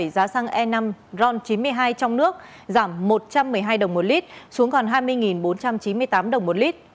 giá xăng e năm ron chín mươi hai trong nước giảm một trăm một mươi hai đồng một lít xuống còn hai mươi bốn trăm chín mươi tám đồng một lít